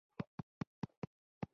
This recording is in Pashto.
د مېنرالونو د جذبېدو په ګډوډولو